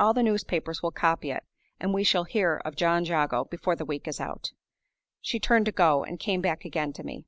"All the newspapers will copy it, and we shall hear of John Jago before the week is out." She turned to go, and came back again to me.